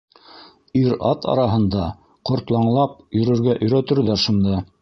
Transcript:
Ир-ат араһында ҡортлаңлап йөрөргә өйрәтерҙәр шунда...